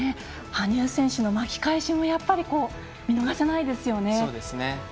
羽生選手の巻き返しもやっぱり見逃せないですよね。